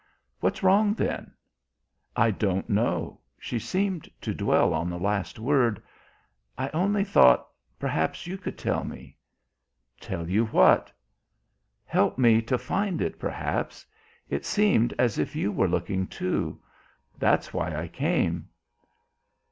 "What's wrong then?" "I don't know." She seemed to dwell on the last word. "I only thought perhaps you could tell me." "Tell you what?" "Help me to find it perhaps. It seemed as if you were looking, too; that's why I came."